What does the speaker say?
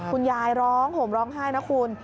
คุณยายร้องห่มร้องไห้นะคุณ